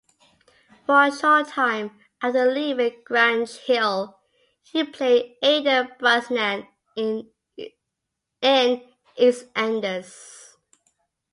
For a short time after leaving "Grange Hill", he played Aidan Brosnan in "EastEnders".